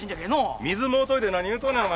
水もうといて何言うとんのやお前。